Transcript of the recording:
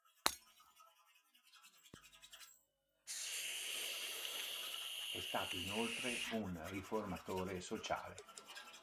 È stato inoltre un riformatore sociale.